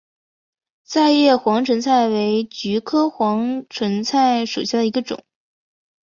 戟叶黄鹌菜为菊科黄鹌菜属下的一个种。